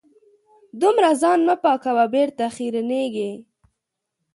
دومره ځان مه پاکوه .بېرته خیرنېږې